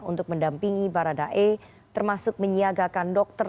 untuk mendampingi barada e termasuk menyiagakan dokter